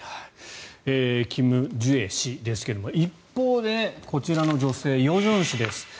キム・ジュエ氏ですが一方で、こちらの女性与正氏です。